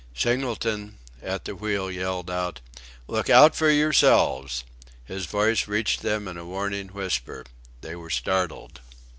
Singleton, at the wheel, yelled out: "Look out for yourselves!" His voice reached them in a warning whisper. They were startled.